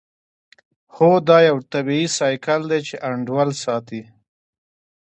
هو دا یو طبیعي سایکل دی چې انډول ساتي